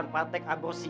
nihblack juga tuduh